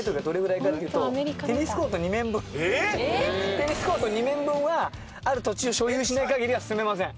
テニスコート２面分はある土地を所有しない限りは住めません。